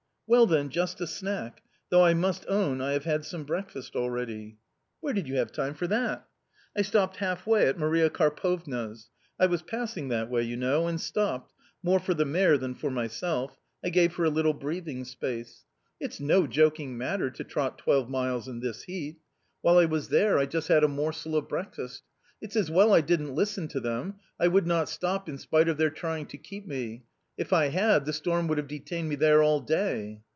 " Well, then, just a snack ! though I must own I have had some breakfast already." " Where did you have time for that ?"" I stopped half way at Maria Karpovna's. I was pass ing that way, you know, and stopped, more for the mare than for myself; I gave her a little breathing space. It's no joking matter to trot twelve miles in this heat ! While I A COMMON STORY 239 was there I just had a morsel of breakfast. It's as well I didn't listen to them ; I would not stop in spite of their trying to keep me; if I had, the storm would have detained me there all day."